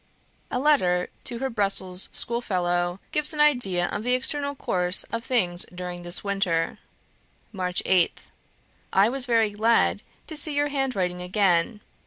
A letter to her Brussels schoolfellow gives an idea of the external course of things during this winter. "March 8th. "I was very glad to see your handwriting again.